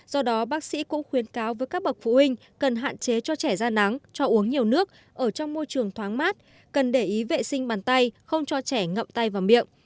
do đó bác sĩ cũng khuyến cáo với các bậc phụ huynh cần hạn chế cho trẻ ra nắng cho uống nhiều nước ở trong môi trường thoáng mát cần để ý vệ sinh bàn tay không cho trẻ ngậm tay vào miệng